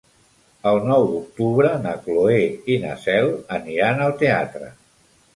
El nou d'octubre na Cloè i na Cel aniran al teatre.